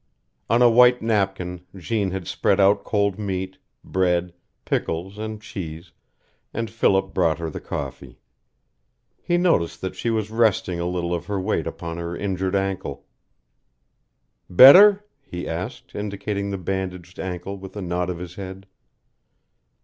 On a white napkin Jeanne had spread out cold meat, bread, pickles, and cheese, and Philip brought her the coffee. He noticed that she was resting a little of her weight upon her injured ankle. "Better?" he asked, indicating the bandaged ankle with a nod of his head.